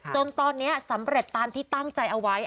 จนตอนนี้สำเร็จตามที่ตั้งใจเอาไว้